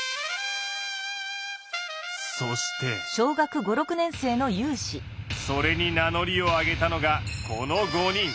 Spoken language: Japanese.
そしてそれに名乗りを上げたのがこの５人。